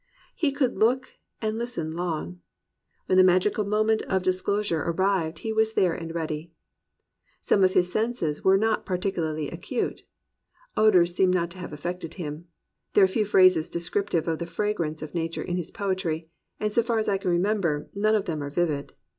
He could look and listen long. When the magical moment of disclosure arrived, he was there and ready. Some of his senses were not particularly acute. Odours seem not to have affected him. There are few phrases descriptive of the fragrance of nature in his poetry, and so far as I can remember none of them are vivid.